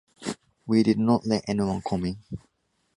We did not let anyone come in.